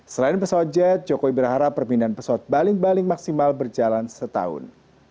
selain pesawat jet jokowi berharap permintaan pesawat baling baling maksimal berjalan setahun